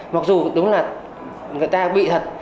mặc dù đúng là người ta bị thật